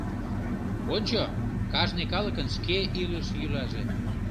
Ончо, кажне калыкын — шке илыш-йӱлаже...